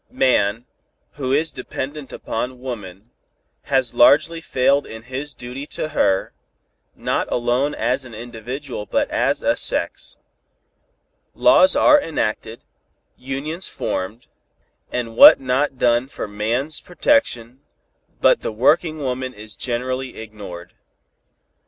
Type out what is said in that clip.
Man, who is so dependent upon woman, has largely failed in his duty to her, not alone as an individual but as a sex. Laws are enacted, unions formed, and what not done for man's protection, but the working woman is generally ignored.